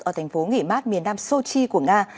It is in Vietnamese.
ở thành phố nghỉ mát miền nam sochi của nga